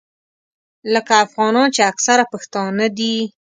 لکه افغانان چې اکثره پښتانه دي.